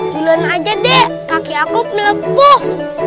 giluan aja deh kaki aku melepuh